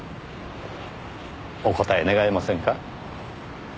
お答え願えませんか？